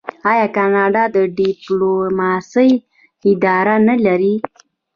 آیا کاناډا د ډیپلوماسۍ اداره نلري؟